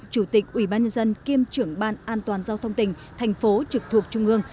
chủ tịch ubndg kiêm trưởng ban an toàn giao thông tỉnh thành phố trực thuộc trung ương